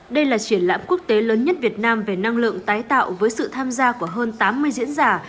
đây là triển lãm quốc tế lớn nhất việt nam về năng lượng tái tạo với sự tham gia của hơn tám mươi diễn giả